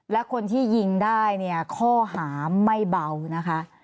และคนที่ยิงได้เนี่ยข้อหาไม่เบานะคะ